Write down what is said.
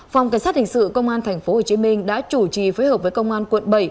phòng cảnh sát hình sự công an tp hcm đã chủ trì phối hợp với công an quận bảy